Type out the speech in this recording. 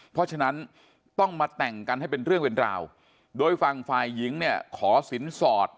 เพราะฉะนั้นต้องมาแต่งกันให้เป็นเรื่องเป็นราวโดยฝั่งฝ่ายหญิงเนี่ยขอสินสอด